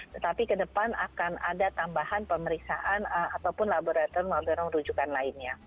tetapi ke depan akan ada tambahan pemeriksaan apapun laborator laborator rujukan lainnya